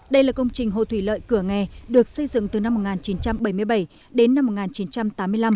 đây là công trình hồ thủy lợi cửa nghè được xây dựng từ năm một nghìn chín trăm bảy mươi bảy đến năm một nghìn chín trăm tám mươi năm